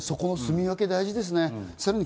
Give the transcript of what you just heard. そこのすみ分け、大事ですね。